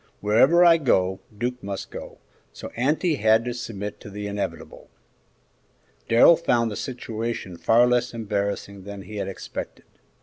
Wherever I go, Duke must go, so auntie had to submit to the inevitable." Darrell found the situation far less embarrassing than he had expected.